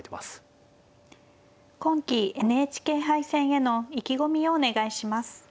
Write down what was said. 今期ＮＨＫ杯戦への意気込みをお願いします。